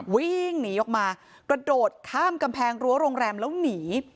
วิ่งหนีออกมากระโดดข้ามกำแพงรั้วโรงแรมแล้วหนี